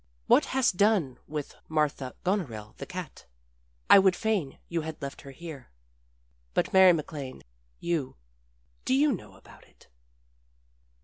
What hast done with Martha Goneril the cat? I would fain you had left her here. But Mary MacLane you. Do you know about it?